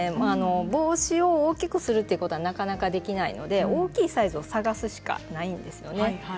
帽子を大きくするということはなかなかできないので大きいサイズを探すしかないんですね。